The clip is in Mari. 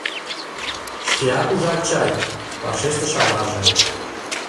— Шкеат ужат чай, — вашештыш аваже.